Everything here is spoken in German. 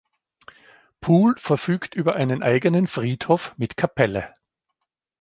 Puhl verfügt über einen eigenen Friedhof mit Kapelle.